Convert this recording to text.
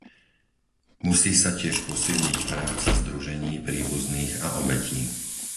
Musí sa tiež posilniť práca združení príbuzných a obetí.